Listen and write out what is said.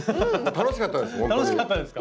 楽しかったですか。